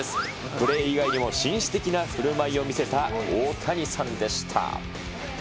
プレー以外にも紳士的なふるまいを見せたオオタニサンでした。